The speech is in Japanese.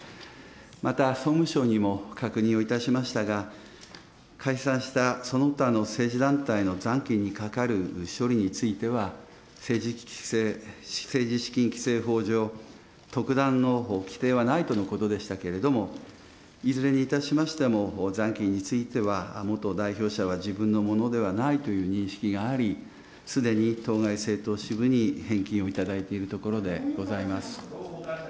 また、総務省にも確認をいたしましたが、解散したその他の政治団体の残金にかかる処理については、政治資金規正法上、特段の規定はないとのことでしたけれども、いずれにいたしましても、残金については、元代表者は自分のものではないという認識があり、すでに当該政党支部に返金をいただいているところでございます。